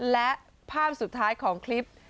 และภาพสุดท้ายของคลิป